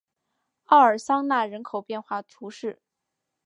奥尔桑讷人口变化图示